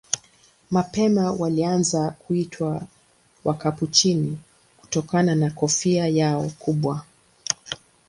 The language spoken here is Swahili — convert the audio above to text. Mapema walianza kuitwa Wakapuchini kutokana na kofia yao kubwa.